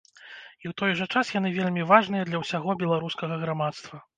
І ў той жа час яны вельмі важныя для ўсяго беларускага грамадства.